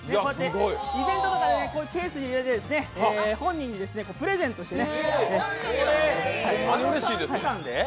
イベントとかでね、ケースに入れて本人にプレゼントしてね。